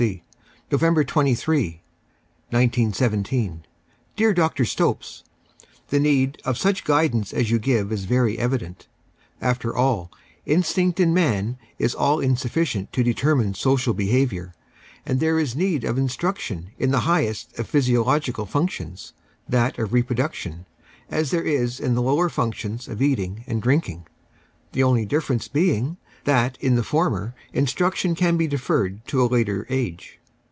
C, November 23, 191 7. Dear Dr. Stopes, — I'he need of such guidance as you give is very evident. After all, instinct in man is ail insufficient to determine social behaviour, and there is need of instruction in the highest of physiological functions, that of reproduc tion, as there is in the lower functions of eating and drinking — the only difference being that in the former instruction can be deferred to a later age.